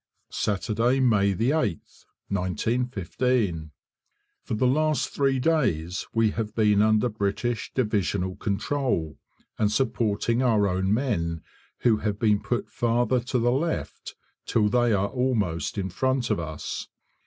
Saturday, May 8th, 1915. For the last three days we have been under British divisional control, and supporting our own men who have been put farther to the left, till they are almost in front of us.